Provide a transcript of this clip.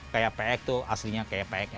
kayak px tuh aslinya kayak px